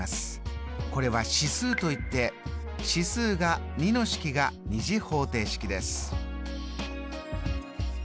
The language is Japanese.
これは指数といって指数が２の式が２次方程式です。